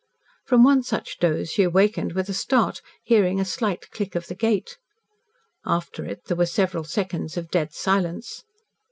From one such doze she awakened with a start, hearing a slight click of the gate. After it, there were several seconds of dead silence.